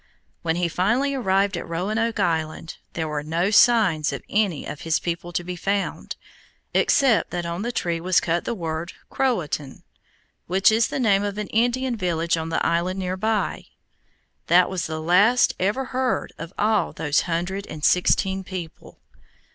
When he finally arrived at Roanoke Island, there were no signs of any of his people to be found, except that on the tree was cut the word "Croatan," which is the name of an Indian village on the island nearby. That was the last ever heard of all those hundred and sixteen people.